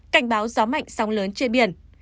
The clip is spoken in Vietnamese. cảnh báo gió mạnh sóng lớn trên biển